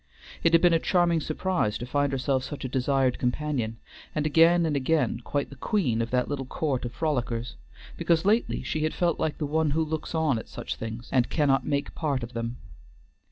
It had been a charming surprise to find herself such a desired companion, and again and again quite the queen of that little court of frolickers, because lately she had felt like one who looks on at such things, and cannot make part of them.